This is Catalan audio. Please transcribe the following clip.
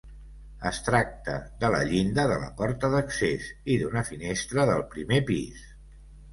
Es tracta de la llinda de la porta d'accés i d'una finestra del primer pis.